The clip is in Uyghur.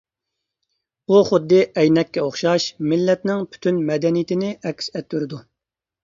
ئۇ خۇددى ئەينەككە ئوخشاش مىللەتنىڭ پۈتۈن مەدەنىيىتىنى ئەكس ئەتتۈرىدۇ.